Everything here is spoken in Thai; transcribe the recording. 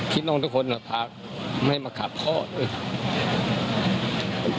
คิดลองทุกคนจะขากไม่มาขากพ่อเลย